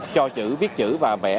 cho chữ viết chữ và vẽ